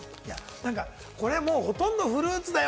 これ、もうほとんどフルーツだよ！